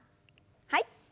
はい。